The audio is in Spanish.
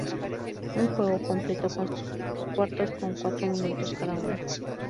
Un juego completo consta de cuatro cuartos, con cuatro minutos cada uno.